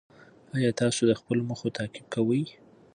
ایا تاسو د خپلو موخو تعقیب کوئ؟